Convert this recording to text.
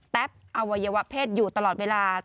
แป๊บอวัยวะเพศอยู่ตลอดเวลา